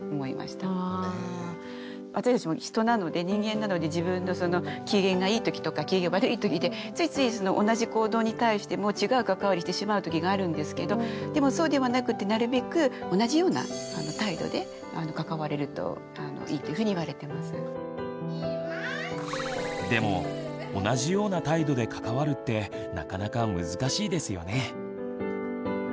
私たちも人なので人間なので自分のその機嫌がいいときとか機嫌が悪いときでついつい同じ行動に対しても違う関わりしてしまうときがあるんですけどでもそうではなくてなるべくでも同じような態度で関わるってなかなか難しいですよね？